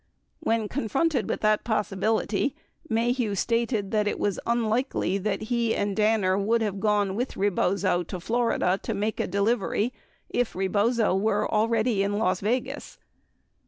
20 When confronted with that possibility, Maheu stated that it was unlikely that he and Danner would have gone with Rebozo to Florida to make a delivery if Rebozo were already in Las Vegas.